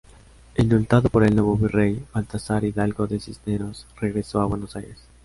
Indultado por el nuevo virrey Baltasar Hidalgo de Cisneros, regresó a Buenos Aires.